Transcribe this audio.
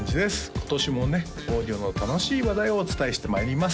今年もねオーディオの楽しい話題をお伝えしてまいります